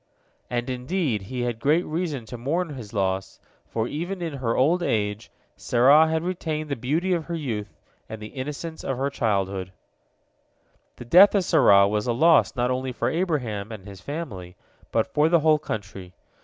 And, indeed, he had great reason to mourn his loss, for even in her old age Sarah had retained the beauty of her youth and the innocence of her childhood. The death of Sarah was a loss not only for Abraham and his family, but for the whole country.